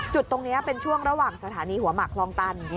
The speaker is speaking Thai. จุดตรงนี้เป็นช่วงระหว่างสถานีหัวหมากคลองตัน